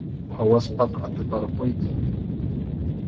Phawaspaqa atiparquykim.